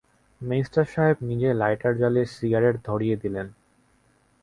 Minister সাহেব নিজেই lighter জ্বালিয়ে সিগারেট ধরিয়ে দিলেন।